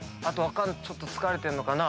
ちょっと疲れてるのかな？